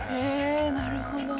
なるほど。